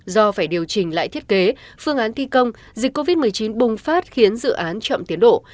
do phải điều chỉnh lại thiết kế phương án thi công dịch covid một mươi chín bùng phát khiến dự án chậm tiến độ